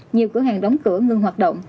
nhiều cửa hàng đóng cửa ngưng hoạt động